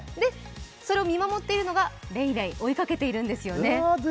それを見守っているのがレイレイ、追いかけているんですよね